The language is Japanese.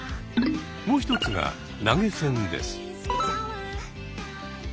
もう一つが投げ銭です。